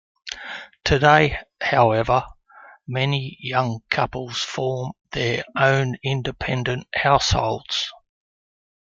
Today, however, many young couples form their own independent households.